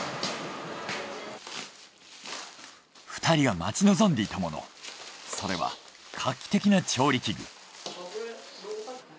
２人が待ち望んでいたものそれは画期的な調理器具。